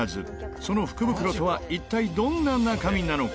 その福袋とは一体どんなものなのか？